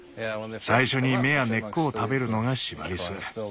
最初に芽や根っこを食べるのがシマリス。